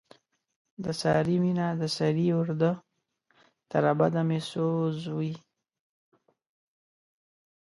د سارې مینه د سرې اورده، تر ابده به مې سو ځوي.